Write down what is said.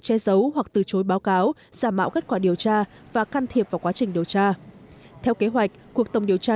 che giấu hoặc từ chối báo cáo giả mạo kết quả điều tra và can thiệp vào quá trình điều tra